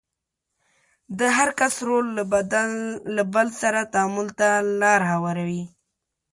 د هر کس رول له بل سره تعامل ته لار هواروي.